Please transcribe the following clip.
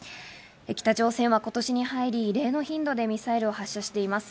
北朝鮮は今年に入り、異例の頻度でミサイルを発射しています。